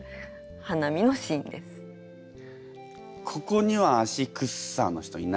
ここには足くっさーの人いないかも。